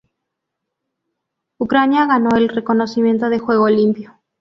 Ucrania ganó el reconocimiento de Juego limpio.